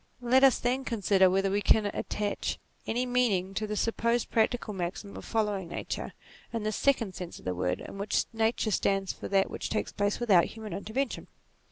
Let us then consider whether we can attach any meaning to the supposed practical maxim of following Nature, in this second sense of the word, in which Nature stands for that which takes place without hu man intervention.